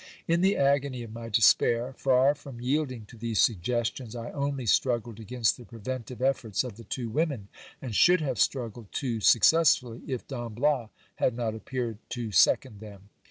In the agony of my despair, far from yielding to these suggestions, I only struggled against the preventive efforts of the two women, and should have struggled too successfully, if Don Bias had not appeared to second them.